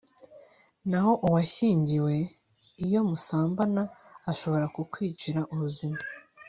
naho uwashyingiwe, iyo musambana, ashobora kukwicira ubuzima